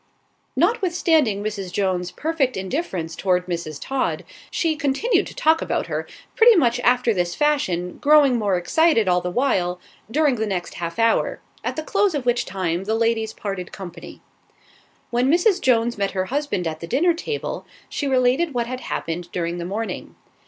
Notwithstanding Mrs. Jones's perfect indifference toward Mrs. Todd, she continued to talk about her, pretty much after this fashion, growing more excited all the while, during the next half hour, at the close of which time the ladies parted company. When Mrs. Jones met her husband at the dinner table, she related what had happened during the morning.